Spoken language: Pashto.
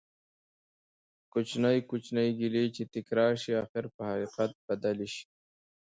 کوچنی کوچنی ګېلې چې تکرار شي ،اخير په حقيقت بدلي شي